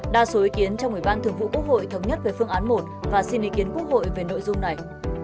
đa số ý kiến trong ủy ban thường vụ quốc hội thống nhất về phương án một và xin ý kiến quốc hội về nội dung này